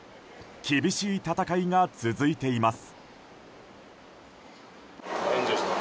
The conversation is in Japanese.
厳しい戦いが続いています。